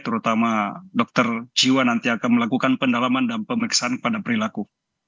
terutama dokter jiwa nanti akan melakukan pendalaman dan pemeriksaan kepada perilaku